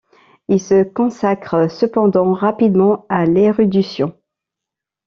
Il se consacre cependant rapidement à l'érudition.